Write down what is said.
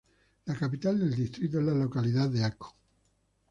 La capital del distrito es la localidad de Aco.